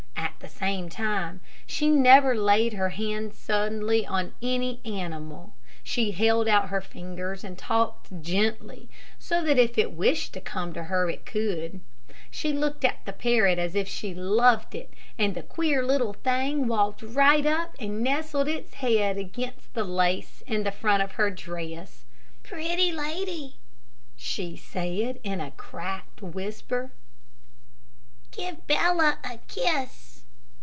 At the same time, she never laid her hand suddenly on any animal. She held out her fingers and talked gently, so that if it wished to come to her it could. She looked at the parrot as if she loved it, and the queer little thing walked right up and nestled its head against the lace in the front of her dress. "Pretty lady," she said, in a cracked whisper, "give Bella a kiss."